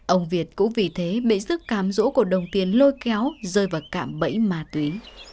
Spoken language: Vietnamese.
ông việt cũng vì thế bể sức cám rỗ của đồng tiền lôi kéo rơi vào cạm bẫy ma túy